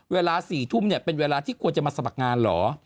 เวลา๔ทุ่มเนี่ยเป็นเวลาที่ควรจะมาสมัครงานเหรอ